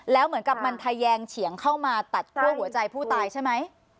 แล้วเหมือนกับมันทะแยงเฉียงเข้ามาตัดคั่วหัวใจผู้ตายใช่ไหม